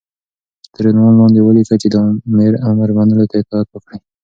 تر عنوان لاندې وليكه چې دآمر امر منلو ته اطاعت وايي